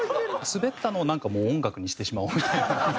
スベったのをなんかもう音楽にしてしまおうみたいな。